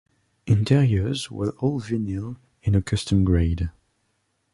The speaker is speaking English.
Interiors were all vinyl in a Custom grade.